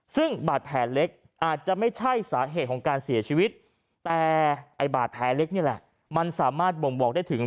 ซึ่งบาดแผลเล็กอาจจะไม่ใช่สาเหตุของการเสียชีวิตแต่ไอ้บาดแผลเล็กนี่แหละมันสามารถบ่งบอกได้ถึง